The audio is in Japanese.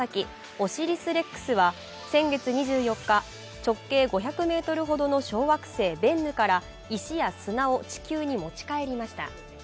「オリシス・レックス」は先月２４日、直径５００ｍほどの小惑星ベンヌから石や砂を地球に持ち帰りました。